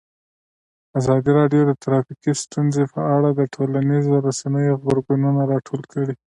ازادي راډیو د ټرافیکي ستونزې په اړه د ټولنیزو رسنیو غبرګونونه راټول کړي.